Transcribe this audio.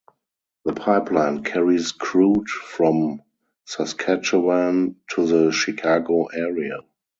The pipeline carries crude from Saskatchewan to the Chicago area.